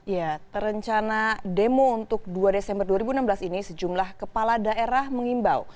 ya terencana demo untuk dua desember dua ribu enam belas ini sejumlah kepala daerah mengimbau